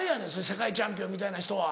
世界チャンピオンみたいな人は。